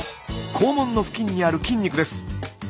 肛門の付近にある筋肉です。